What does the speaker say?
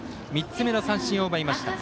３つ目の三振を奪いました。